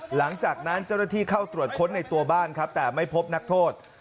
หลังจากนั้นเจ้าหน้าที่เข้าตรวจค้นในตัวบ้านครับแต่ไม่พบนักโทษ